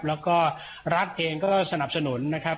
แล้วก็รัฐเองก็สนับสนุนนะครับ